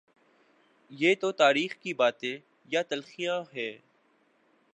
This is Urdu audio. یہ تو تاریخ کی باتیں یا تلخیاں ہیں۔